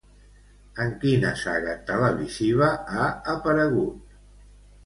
En quina saga televisiva ha aparegut?